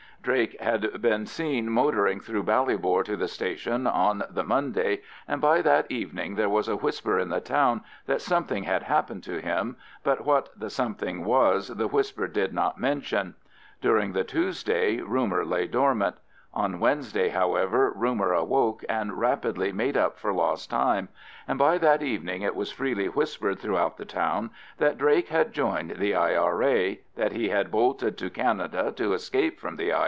Drake had been seen motoring through Ballybor to the station on the Monday, and by that evening there was a whisper in the town that something had happened to him, but what the something was the whisper did not mention. During Tuesday rumour lay dormant. On Wednesday, however, rumour awoke and rapidly made up for lost time, and by that evening it was freely whispered throughout the town that Drake had joined the I.R.A.; that he had bolted to Canada to escape from the I.